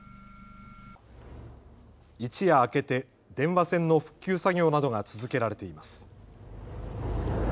一夜明けて電話線の復旧作業などが続けられています。